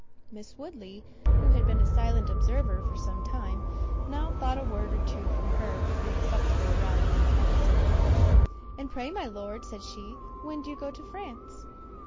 Miss Woodley, who had been a silent observer for some time, now thought a word or two from her would be acceptable rather than troublesome. "And pray, my Lord," said she, "when do you go to France?"